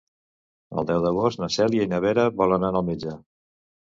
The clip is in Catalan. El deu d'agost na Cèlia i na Vera volen anar al metge.